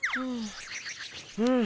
うん。